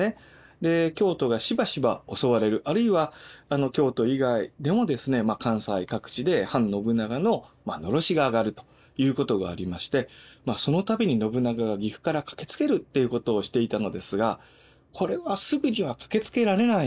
で京都がしばしば襲われるあるいは京都以外でも関西各地で反信長ののろしが上がるということがありましてそのたびに信長が岐阜から駆けつけるっていうことをしていたのですがこれはすぐには駆けつけられないんですよね。